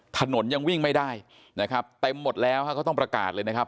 ถนนยังวิ่งไม่ได้นะครับเต็มหมดแล้วฮะเขาต้องประกาศเลยนะครับ